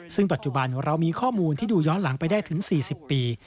ซึ่งปัจจุบันเรามีข้อมูลที่ดูย้อนหลังไปได้ถึง๔๐ปี